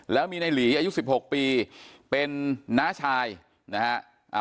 แล้วมีนายหลีอายุ๑๖ปีเป็นน้าชายนะฮะ